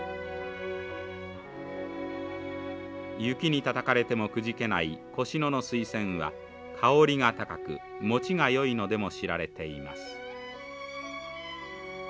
雪にたたかれてもくじけない越廼のスイセンは香りが高くもちがよいのでも知られています。